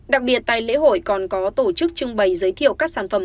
đặc biệt tại lễ hội còn có tổ chức trưng bày giới thiệu các sản phẩm